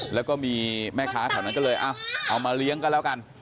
แล้วก็มีแม่ค้าแถวนั้นก็เลยเอามาเลี้ยงก็แล้วกัน